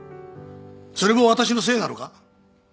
それも私のせいなのか？